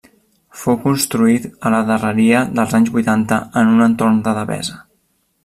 Fou construït a la darreria dels anys vuitanta en un entorn de devesa.